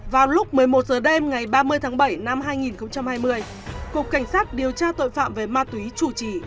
vào lúc một mươi một h đêm ngày ba mươi tháng bảy năm hai nghìn hai mươi cục cảnh sát điều tra tội phạm về ma túy chủ trì